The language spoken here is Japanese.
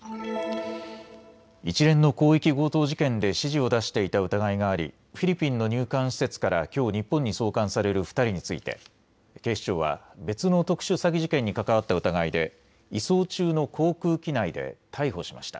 一連の広域強盗事件で指示を出していた疑いがありフィリピンの入管施設からきょう日本に送還される２人について警視庁は別の特殊詐欺事件に関わった疑いで移送中の航空機内で逮捕しました。